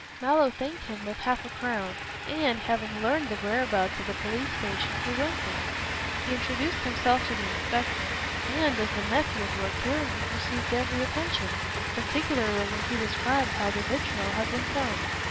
Mallow thanked him with half a crown and, having learned the whereabouts of the police station, he went there. He introduced himself to the inspector and, as the nephew of Lord Caranby, received every attention, particularly when he described how the vitriol had been thrown.